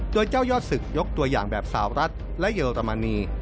โดยเจ้ายอดศึกยกตัวอย่างแบบสาวรัฐและเยอรมนี